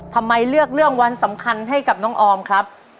ทำไมเลือกเรื่องวันสำคัญให้กับน้องออมครับ